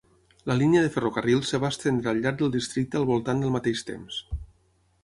La línia de ferrocarrils es va estendre al llarg del districte al voltant del mateix temps.